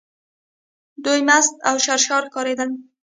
دوی مست او سرشاره ښکارېدل.